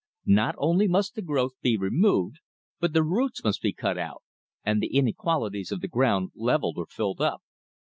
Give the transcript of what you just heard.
Not only must the growth be removed, but the roots must be cut out, and the inequalities of the ground levelled or filled up.